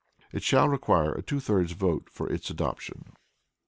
It shall require a two thirds vote for its adoption.